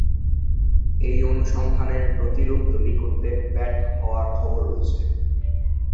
এই অনুসন্ধানের প্রতিরূপ তৈরি করতে ব্যর্থ হওয়ার খবর রয়েছে।